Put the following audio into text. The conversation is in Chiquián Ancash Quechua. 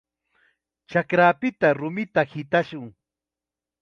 Chakrapita rumita hitashun.